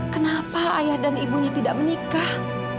kenapa ayah dan ibunya tidak menikah